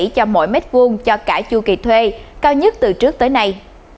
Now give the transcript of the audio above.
cho mỗi mét vuông cho cả chu kỳ thuê cao nhất từ trước tới nay